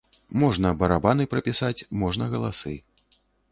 Можна барабаны прапісаць, можна галасы.